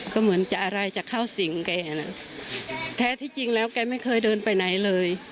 ก็เหมือนจะอะไรจะเข้าสิ่งแกนะแท้ที่จริงแล้วแกไม่เคยเดินไปไหนเลย